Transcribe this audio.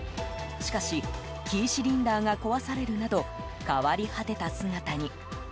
しかし、キーシリンダーが壊されるなど変わり果てた姿に。